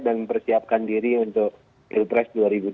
dan persiapkan diri untuk pilpres dua ribu dua puluh empat